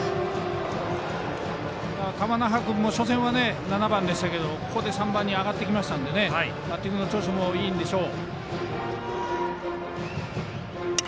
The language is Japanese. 球の運びも初戦は７番でしたけどここで３番にあがってきましたからバッティングの調子もいいんでしょう。